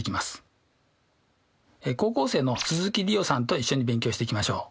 高校生の鈴木梨予さんと一緒に勉強していきましょう。